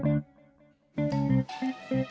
rumah gue aja belum beres